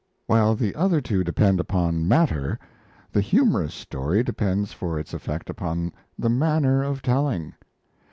While the other two depend upon matter, the humorous story depends for its effect upon the manner of telling.